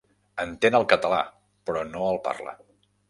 Entén el català, però no el parla.